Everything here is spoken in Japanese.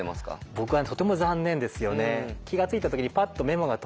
僕はとても残念ですよね。